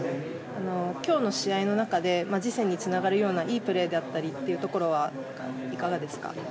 今日の試合の中で次戦につながるようないいプレーだったりというところはいかがですか？